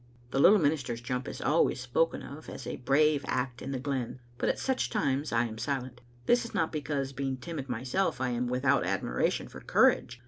The Little Minister's jump is always spoken of as a brave act in the glen, but at such times I am silent. This is not because, being timid myself, I am without admiration for courage.